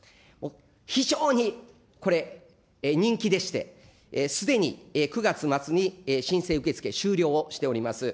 非常にこれ、人気でして、すでに９月末に申請受け付け、終了をしております。